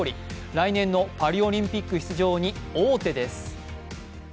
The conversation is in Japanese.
来年のパリオリンピック出場に王手です。